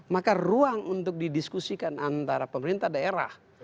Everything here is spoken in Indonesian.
maka ruang untuk didiskusikan antara pemerintah daerah